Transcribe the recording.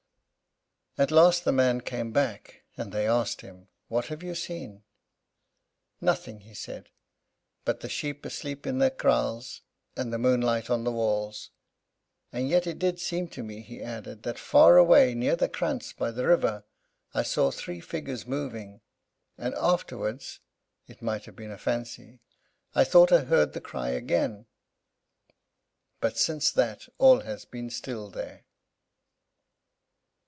At last the man came back; and they asked him, "What have you seen?" "Nothing," he said, "but the sheep asleep in their kraals, and the moonlight on the walls. And yet, it did seem to me," he added, "that far away near the krantz by the river, I saw three figures moving. And afterwards it might have been fancy I thought I heard the cry again; but since that, all has been still there."